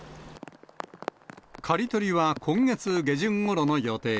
刈り取りは今月下旬ごろの予定。